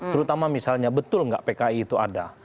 terutama misalnya betul nggak pki itu ada